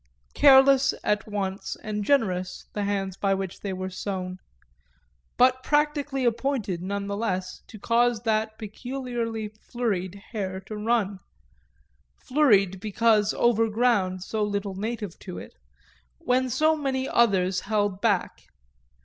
Careless at once and generous the hands by which they were sown, but practically appointed none the less to cause that peculiarly flurried hare to run flurried because over ground so little native to it when so many others held back.